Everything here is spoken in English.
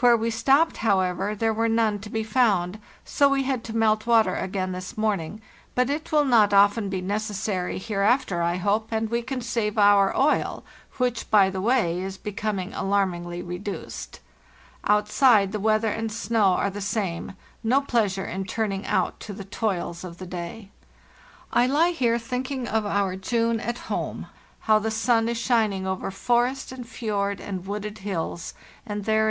Where we stopped, however, there were none to be found, so we had to melt water again this morning; but S it will not often be necessary hereafter, I hope, and we can save our oil, which, by the way, is becoming alarm ingly reduced. Outside, the weather and snow are the same; no pleasure in turning out to the toils of the day. I lie here thinking of our June at home—how the sun is shining over forest and fjord and wooded hills, and there 260 FARTHEST NORTH